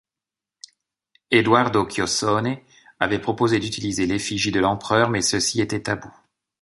Edoardo Chiossone avait proposé d'utiliser l'effigie de l'Empereur mais ceci était tabou.